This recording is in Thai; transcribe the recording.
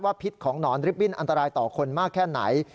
พิษของหนอนริบบิ้นอันตรายต่อคนมากแค่ไหน